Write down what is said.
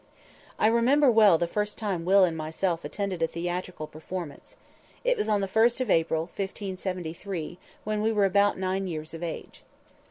"_ I remember well the first time Will and myself attended a theatrical performance. It was on the first of April, 1573, when we were about nine years of age.